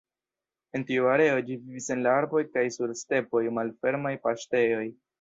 En tiu areo, ĝi vivis en la arboj kaj sur stepoj, malfermaj paŝtejoj.